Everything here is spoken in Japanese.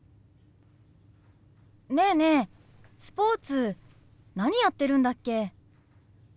ねえねえスポーツ何やってるんだっけ？